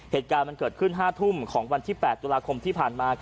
เหตุการณ์มันเกิดขึ้น๕ทุ่มของวันที่๘ตุลาคมที่ผ่านมา